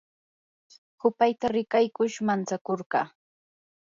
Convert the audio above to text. hupayta rikaykush mantsakurqa.